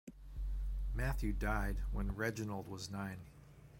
Matthew died when Reginald was nine.